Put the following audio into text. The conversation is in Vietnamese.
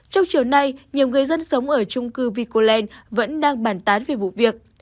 trong chiều nay nhiều người dân sống ở trung cư vicoland vẫn đang bản tán về vụ việc